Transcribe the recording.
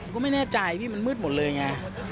ก็ไม่แน่ใจพี่มันมืดหมดเลยไง